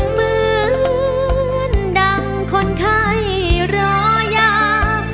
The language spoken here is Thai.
เหมือนดังคนไข้รออยาก